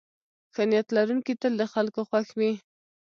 ښه نیت لرونکی تل د خلکو خوښ وي.